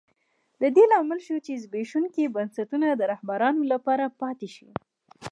د دې لامل شوه چې زبېښونکي بنسټونه د رهبرانو لپاره پاتې شي.